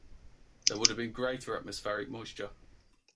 There would have been greater atmospheric moisture.